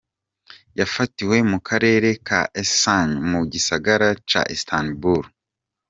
Yafatiwe mu karere ka Esenyurt mu gisagara ca Istanbul.